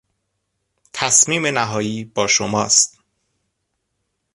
تصمیم نهایی با شماست.